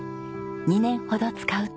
２年ほど使うと。